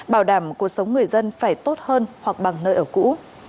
bảo đảm cuộc sống người dân phải tốt hơn hoặc bằng nơi ở cũ